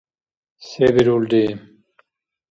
Се бирулри?